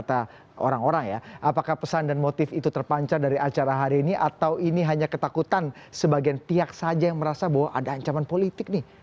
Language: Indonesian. apakah pesan dan motif itu terpancar dari acara hari ini atau ini hanya ketakutan sebagian pihak saja yang merasa bahwa ada ancaman politik nih